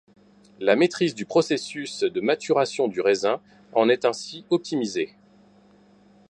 La maîtrise du processus de maturation du raisin en est ainsi optimisée.